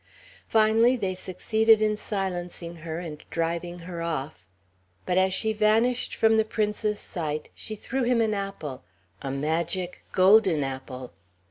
Finally they succeeded in silencing her and driving her off; but as she vanished from the Prince's sight she threw him an apple, a magic golden apple.